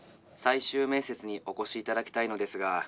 「最終面接にお越し頂きたいのですが」